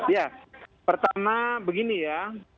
ya pertama begini ya